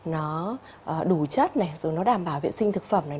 nó đủ chất này rồi nó đảm bảo vệ sinh thực phẩm này